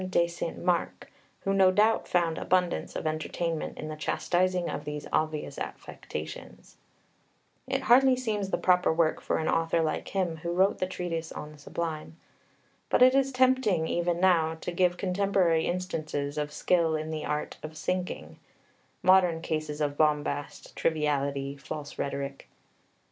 de St. Marc, who no doubt found abundance of entertainment in the chastising of these obvious affectations. It hardly seems the proper work for an author like him who wrote the Treatise on the Sublime. But it is tempting, even now, to give contemporary instances of skill in the Art of Sinking modern cases of bombast, triviality, false rhetoric.